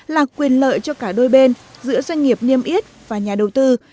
là quyền lợi cho cả đôi bên giữa doanh nghiệp niêm yết và nhà đầu tư